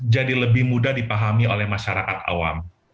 jadi lebih mudah dipahami oleh masyarakat awam